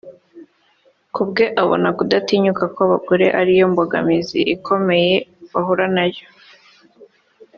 Kubwe abona kudatinyuka kw’abagore ariyo mbogamizi ikomeye bahura nayo